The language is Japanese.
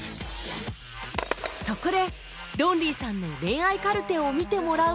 そこでロンリーさんの恋愛カルテを見てもらうと